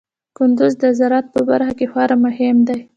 کندز د زراعت په برخه کې خورا مهم دی.